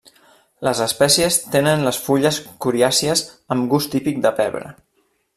Les espècies tenen les fulles coriàcies amb gust típic de pebre.